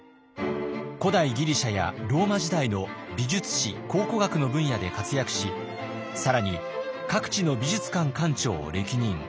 古代ギリシャやローマ時代の美術史考古学の分野で活躍し更に各地の美術館館長を歴任。